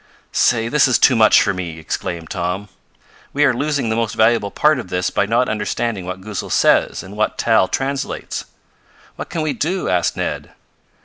"Say, this is too much for me!" exclaimed Tom. "We are losing the most valuable part of this by not understanding what Goosal says, and what Tal translates." "What can we do?" asked Ned.